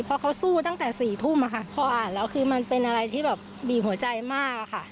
เพราะเขาสู้ตั้งแต่๔ทุ่มพออ่านแล้วคือมันเป็นอะไรที่แบบบีบหัวใจมากอะค่ะ